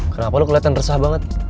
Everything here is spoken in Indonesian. kenapa lo kelihatan resah banget